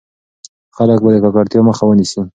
خلک به د ککړتيا مخه ونيسي.